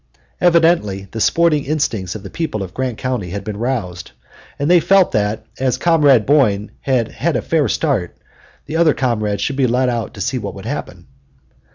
Evidently the sporting instincts of the people of Grant County had been roused, and they felt that, as Comrade Boyne had had a fair start, the other comrade should be let out in order to see what would happen.